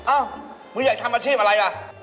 อ้าวอยากทำประชีพอะไรป่ะ